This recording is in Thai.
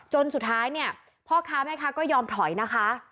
จนสุดท้ายเนี่ยพ่อค้าแม่ค้าก็ยอมถอยนะคะ